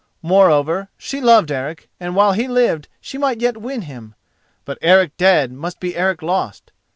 Moreover, she loved Eric, and while he lived she might yet win him; but Eric dead must be Eric lost.